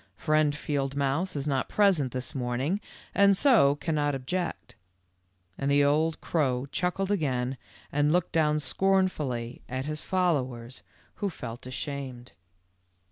Friend Field mouse is not present this morning and so cannot object ;" and the old crow chuckled again and looked down scornfully at his followers, who felt ashamed.